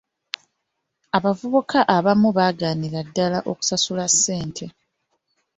Abavubuka abamu bagaanira ddaala okusasula ssente.